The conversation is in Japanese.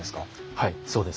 はいそうです。